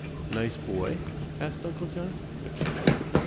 "Nice boy?" asked Uncle John.